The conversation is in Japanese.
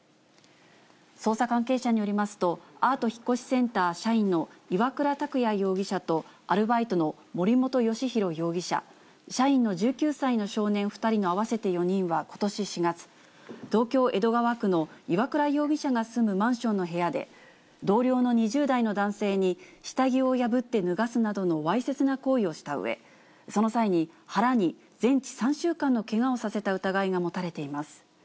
捜査関係者によりますと、アート引越センター社員の岩倉拓弥容疑者と、アルバイトの森本よしひろ容疑者、社員の１９歳の少年２人の合わせて４人はことし４月、東京・江戸川区の岩倉容疑者が住むマンションの部屋で、同僚の２０代の男性に下着を破って脱がすなどのわいせつな行為をしたうえ、その際に腹に全治３週間のけがをさせた疑いが持たれています。